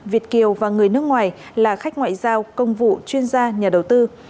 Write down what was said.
việt kiều và người nước ngoài là khách ngoại giao công vụ chuyên gia nhà đầu tư